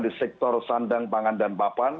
di sektor sandang pangan dan papan